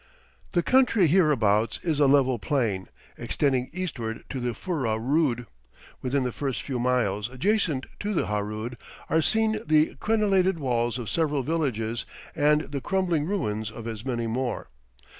The country hereabouts is a level plain, extending eastward to the Furrah Rood; within the first few miles adjacent to the Harood are seen the crenellated walls of several villages and the crumbling ruins of as many more.